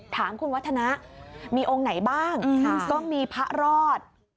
ถามคุณวัฒนะมีองค์ไหนบ้างก็มีพระรอด